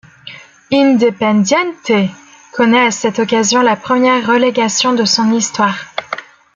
Independiente connaît à cette occasion la première relégation de son histoire.